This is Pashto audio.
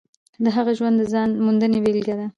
د هغه ژوند د ځان موندنې بېلګه ده.